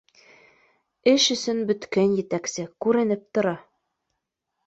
Эш өсөн бөткән етәксе, күренеп тора